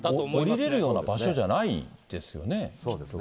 下りれるような場所じゃないですよね。